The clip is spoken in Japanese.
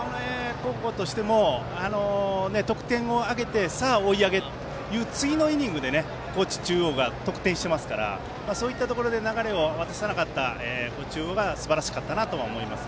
高校としても得点を挙げてさあ、追い上げという次のイニングで高知中央が得点していますからそういったところで流れを渡さなかった高知中央がすばらしかったと思います。